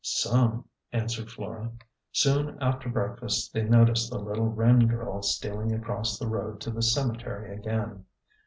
" Some," answered Flora. Soon after breakfast they noticed the little Wren girl stealing across the road to the cemetery again.